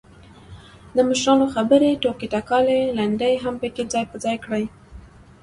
دمشرانو خبرې، ټوکې ټکالې، لنډۍ هم پکې ځاى په ځاى کړي.